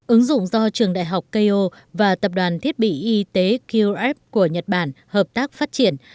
ứng dụng do trường đại học keyo và tập đoàn thiết bị y tế qrf của nhật bản hợp tác phát triển